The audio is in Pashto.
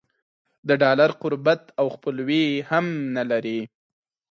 د ډالر قربت او خپلوي هم نه لري.